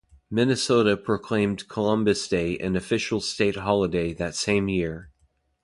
Minnesota proclaimed Columbus Day an official state holiday that same year.